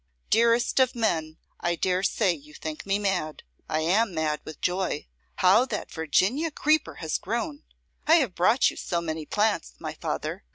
Dearest of men, I dare say you think me mad. I am mad with joy. How that Virginian creeper has grown! I have brought you so many plants, my father!